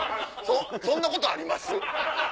そんなことあります？